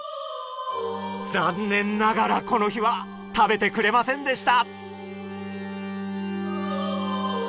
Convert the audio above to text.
残念ながらこの日は食べてくれませんでした。